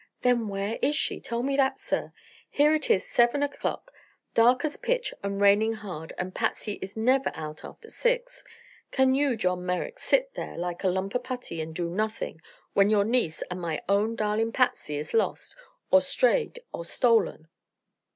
"Then where is she? Tell me that, sir. Here it is, seven o'clock, dark as pitch and raining hard, and Patsy is never out after six. Can you, John Merrick, sit there like a lump o' putty and do nothing, when your niece and my own darlin' Patsy is lost or strayed or stolen?"